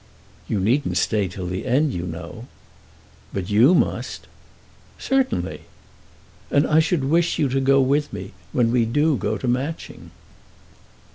"You needn't stay till the end, you know." "But you must." "Certainly." "And I should wish you to go with me, when we do go to Matching."